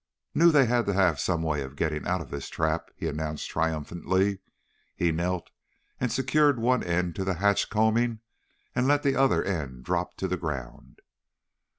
"Knew they had to have some way of getting out of this trap," he announced triumphantly. He knelt and secured one end to the hatch combing and let the other end drop to the ground.